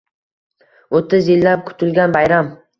Oʻttiz yillab kutilgan bayram